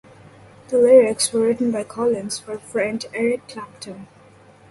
The lyrics were written by Collins for friend Eric Clapton.